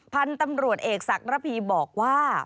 พันธุ์ตำรวจเอกศักระพีบอกว่า